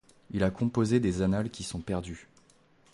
Il a composé des annales qui sont perdues.